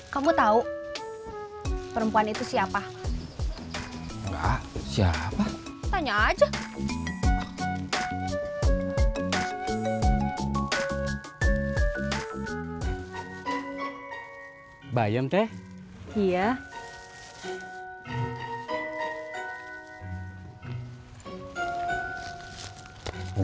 kamu tahu perempuan itu siapa siapa tanya aja bayam teh iya